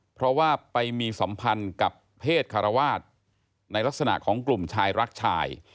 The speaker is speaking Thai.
เพราะว่าไปมีสัมพันธ์กับเพศคารวาสในลักษณะของกลุ่มชายรักชาย